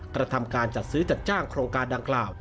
กระทำการจัดซื้อจัดจ้างโครงการดังกล่าว